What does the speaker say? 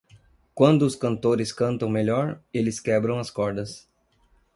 Quando os cantores cantam melhor, eles quebram as cordas.